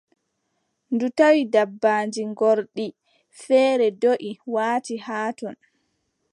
Ndu tawi dabaaji ngorɗi feere ndoʼi, waati haa ton.